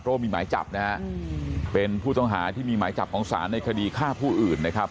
เพราะว่ามีหมายจับนะฮะเป็นผู้ต้องหาที่มีหมายจับของศาลในคดีฆ่าผู้อื่นนะครับ